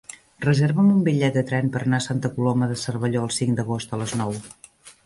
Reserva'm un bitllet de tren per anar a Santa Coloma de Cervelló el cinc d'agost a les nou.